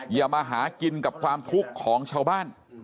อย่ามาหากินกับความทุกข์ของชาวบ้าน